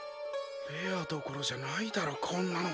レアどころじゃないだろこんなの。